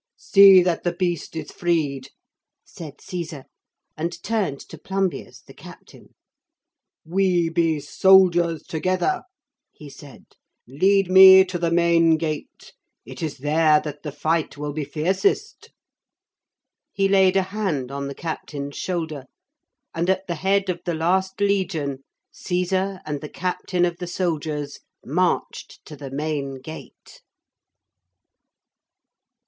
'See that the beast is freed,' said Caesar, and turned to Plumbeus the captain. 'We be soldiers together,' he said. 'Lead me to the main gate. It is there that the fight will be fiercest.' He laid a hand on the captain's shoulder, and at the head of the last legion, Caesar and the captain of the soldiers marched to the main gate.